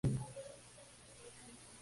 Dentro de la agenda están contados.